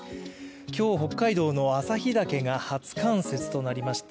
今日、北海道の旭岳が初冠雪となりました。